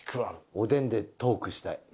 おでんでトークしたい。